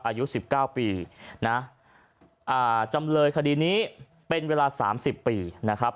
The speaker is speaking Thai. อายุสิบเก้าปีนะอ่าจำเลยคดีนี้เป็นเวลาสามสิบปีนะครับ